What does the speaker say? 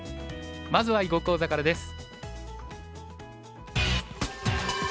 まずは囲碁講座からです。